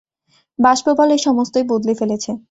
বাষ্পবল এ সমস্তই বদলে ফেলেছে।